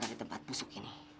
dari tempat busuk ini